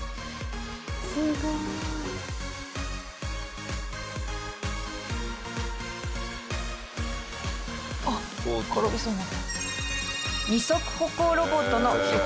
すごい。あっ転びそうになった。